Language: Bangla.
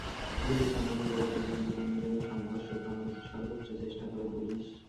গুলির সামনে নিজেদের জীবন বিপন্ন জেনেও সংঘর্ষ থামানোর সর্বোচ্চ চেষ্টা করে পুলিশ।